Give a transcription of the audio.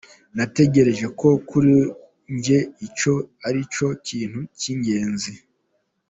Natekereje ko kuri njye icyo aricyo kintu cy’ingenzi.”